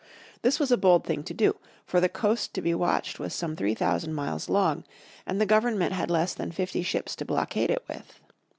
This was a bold thing to do, for the coast to be watched was some three thousand miles long, and the Government had less than fifty ships to blockade it with.